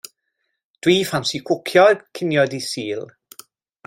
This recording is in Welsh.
Dw i ffansi cwcio cinio dydd Sul.